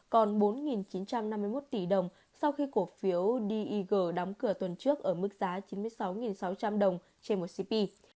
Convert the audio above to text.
còn bốn chín trăm năm mươi một tỷ đồng sau khi cổ phiếu dig đóng cửa tuần trước ở mức giá chín mươi sáu sáu trăm linh đồng trên một cp